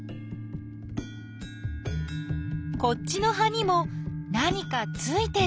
こっちの葉にも何かついてる。